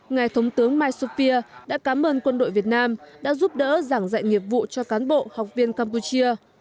ngài thống tướng mai sophia đã cám ơn quân đội việt nam đã giúp đỡ giảng dạy nghiệp vụ cho cán bộ học viên campuchia